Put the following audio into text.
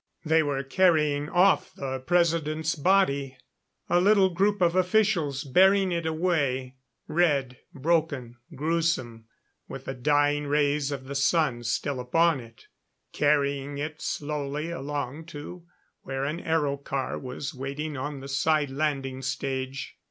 They were carrying off the President's body; a little group of officials bearing it away; red, broken, gruesome, with the dying rays of the sun still upon it. Carrying it slowly along to where an aero car was waiting on the side landing stage.